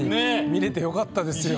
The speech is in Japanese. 見れてよかったですよ。